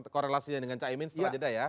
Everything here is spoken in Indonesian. korelasinya dengan cak imin setelah jeda ya